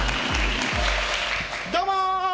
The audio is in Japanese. どうも！